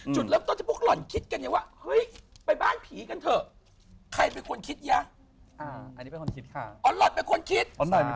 จุดเริ่มต้นที่พวกเราคิดกันดิว่า